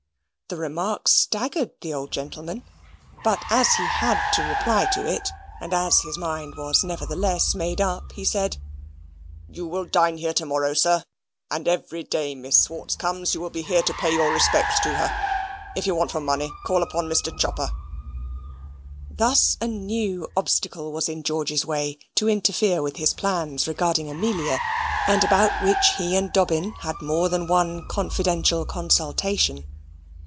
This remark staggered the old gentleman; but as he had to reply to it, and as his mind was nevertheless made up, he said, "You will dine here to morrow, sir, and every day Miss Swartz comes, you will be here to pay your respects to her. If you want for money, call upon Mr. Chopper." Thus a new obstacle was in George's way, to interfere with his plans regarding Amelia; and about which he and Dobbin had more than one confidential consultation.